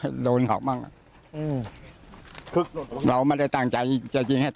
อันนี้คำต่ออ้างของผู้ก่อเหตุนะครับทุกผู้ชมครับ